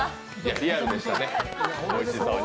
リアルでしたね、おいしそうに。